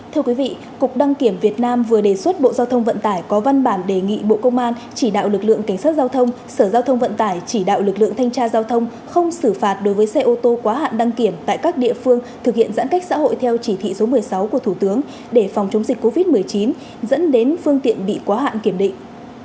thưa quý vị cục đăng kiểm việt nam vừa đề xuất bộ giao thông vận tải có văn bản đề nghị bộ công an chỉ đạo lực lượng cảnh sát giao thông sở giao thông vận tải chỉ đạo lực lượng thanh tra giao thông không xử phạt đối với xe ô tô quá hạn đăng kiểm tại các địa phương thực hiện giãn cách xã hội theo chỉ thị số một mươi sáu của thủ tướng để phòng chống dịch covid một mươi chín dẫn đến phương tiện bị quá hạn kiểm định